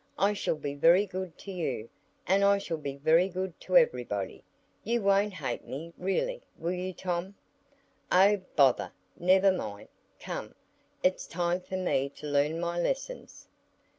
I shall be very good to you, and I shall be good to everybody. You won't hate me really, will you, Tom?" "Oh, bother! never mind! Come, it's time for me to learn my lessons.